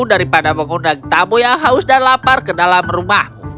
daripada mengundang tamu yang haus dan lapar ke dalam rumah